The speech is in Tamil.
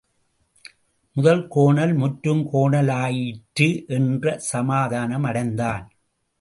முதல் கோணல் முற்றும் கோணலாயிற்று என்ற சமாதானம் அடைந்தான்.